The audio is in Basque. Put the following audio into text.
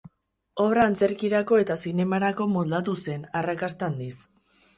Obra antzerkirako eta zinemarako moldatu zen, arrakasta handiz.